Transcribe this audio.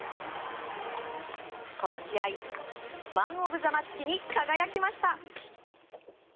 この試合、マン・オブ・ザ・マッチに輝きました。